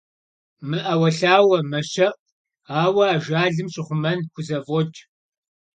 МэӀэуэлъауэ, мэщэӀу, ауэ ажалым щихъумэн хузэфӀокӀ.